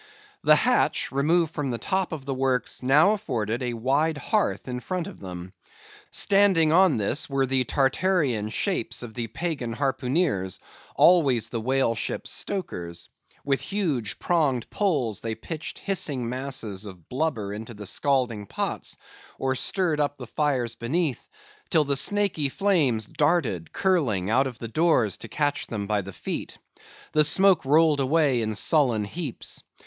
The hatch, removed from the top of the works, now afforded a wide hearth in front of them. Standing on this were the Tartarean shapes of the pagan harpooneers, always the whale ship's stokers. With huge pronged poles they pitched hissing masses of blubber into the scalding pots, or stirred up the fires beneath, till the snaky flames darted, curling, out of the doors to catch them by the feet. The smoke rolled away in sullen heaps.